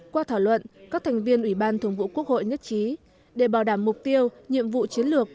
qua thảo luận các thành viên ủy ban thường vụ quốc hội nhất trí để bảo đảm mục tiêu nhiệm vụ chiến lược